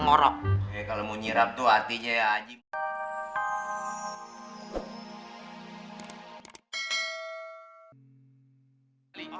nyerap kalau mau nyerap tuh artinya ya aja